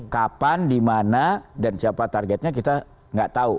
kapan di mana dan siapa targetnya kita nggak tahu